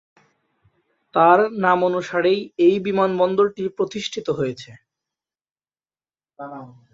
তার নামানুসারেই এই বিমানবন্দরটি প্রতিষ্ঠিত হয়েছে।